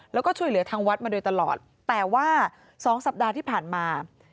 แล้วก็ช่วยเหลือทางวัดมาโดยตลอดแต่ว่า๒สัปดาห์ที่ผ่านมา